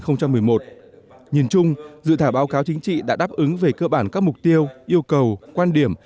nhìn chung dự thảo báo cáo chính trị đã đáp ứng về cơ bản các mục tiêu yêu cầu quan điểm